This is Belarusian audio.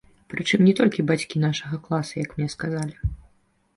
Прычым не толькі бацькі нашага класа, як мне сказалі.